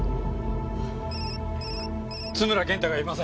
津村健太がいません。